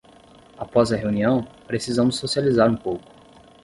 Após a reunião, precisamos socializar um pouco!